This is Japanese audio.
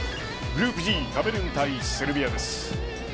グループＧカメルーン対セルビアです。